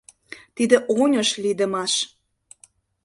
Тиде оньыш лийдымаш!